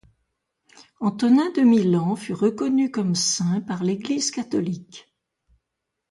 Antonin de Milan fut reconnu comme saint par l’Église catholique.